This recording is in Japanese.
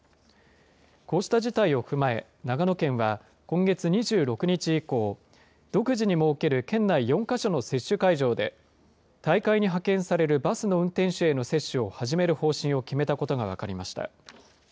こうした事態を踏まえ、長野県は、今月２６日以降、独自に設ける県内４か所の接種会場で、大会に派遣されるバスの運転手への接種を始める方針を決めたことが分かりました。